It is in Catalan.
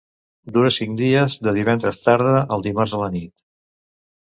Dura cinc dies, de divendres tarda al dimarts a la nit.